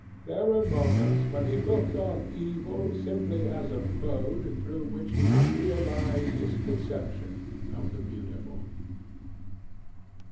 There were moments when he looked on evil simply as a mode through which he could realize his conception of the beautiful.